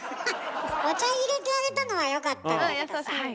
お茶いれてあげたのはよかったんだけどさ。